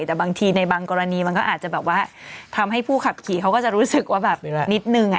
แต่บางทีในบางกรณีมันก็อาจจะแบบว่าทำให้ผู้ขับขี่เขาก็จะรู้สึกว่าแบบนิดนึง